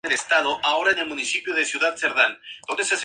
Se retiró a Irkutsk.